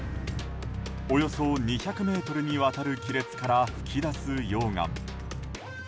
およそ２００ｍにわたる亀裂から噴き出す溶岩。